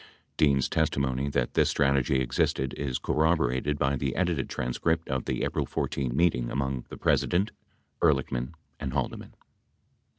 82 Dean's testimony that this strategy existed is corroborated by the edited transcript of the April 14 meet ing among the President, Ehrlichman and Haldeman.